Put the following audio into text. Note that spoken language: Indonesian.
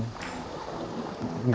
gitu sih paling